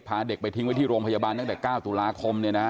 เด็กไปทิ้งไว้ที่โรงพยาบาลตั้งแต่๙ตุลาคม